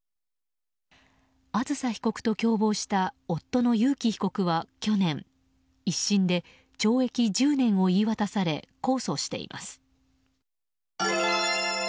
あずさ被告と共謀した夫の裕喜被告は去年、１審で懲役１０年を言い渡され控訴しています。